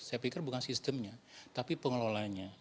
saya pikir bukan sistemnya tapi pengelolanya